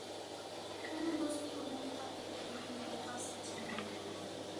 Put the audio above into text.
ئۇنىڭ دوستى ئۇنىڭ يوقاپ كەتكەنلىكىنى بايقاپ ساقچىغا مەلۇم قىلغان.